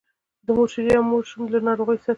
د مور شیدې ماشوم له ناروغیو ساتي۔